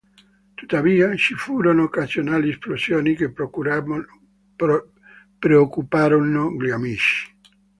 Tuttavia, ci furono occasionali esplosioni che preoccuparono gli amici.